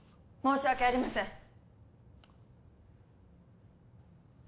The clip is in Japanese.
申し訳ありません。